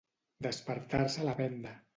Despertar-se la venda.